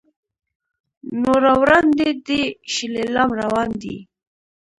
نو را وړاندې دې شي لیلام روان دی.